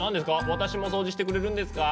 私も掃除してくれるんですか？